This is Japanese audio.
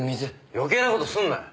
余計な事すんなよ！